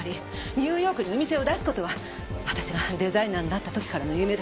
ニューヨークにお店を出す事は私がデザイナーになった時からの夢だった。